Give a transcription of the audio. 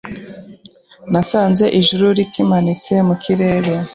nasanze ijuru rikimanitse mu kirere